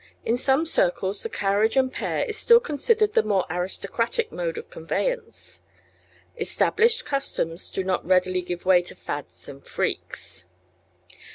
In some circles the carriage and pair is still considered the more aristocratic mode of conveyance. Established customs do not readily give way to fads and freaks.